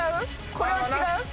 これは違う？